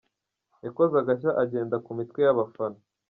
Yakoze agashya agenda ku mitwe y’abafana.